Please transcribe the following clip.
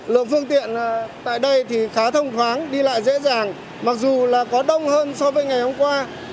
lượng phương tiện tại đây thì khá thông thoáng đi lại dễ dàng mặc dù là có đông hơn so với ngày hôm qua